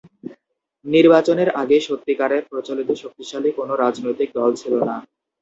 নির্বাচনের আগে সত্যিকারের প্রচলিত শক্তিশালী কোন রাজনৈতিক দল ছিল না।